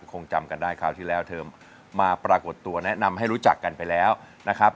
คงจำกันได้คราวที่แล้วเธอมาปรากฏตัวแนะนำให้รู้จักกันไปแล้วนะครับ